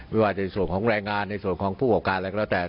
ว่าในส่วนของแรงงานในส่วนของผู้ประกอบการอะไรก็แล้วแต่